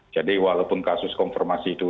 walaupun kasus konfirmasi itu